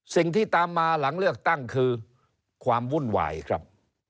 สิ่งที่ตามมาหลังเลือกตั้งคือความวุ่นวายครับ